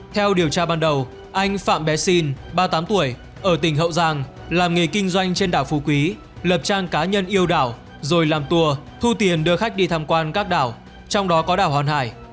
theo điều tra ban đầu anh phạm bé sinh ba mươi tám tuổi ở tỉnh hậu giang làm nghề kinh doanh trên đảo phú quý lập trang cá nhân yêu đảo rồi làm tour thu tiền đưa khách đi tham quan các đảo trong đó có đảo hòn hải